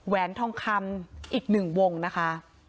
แหวนทองคำอีก๑วงนะคะ